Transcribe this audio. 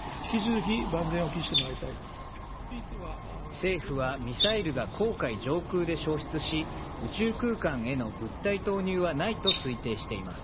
政府は、ミサイルが黄海上空で焼失し宇宙空間への物体投入はないと推定しています。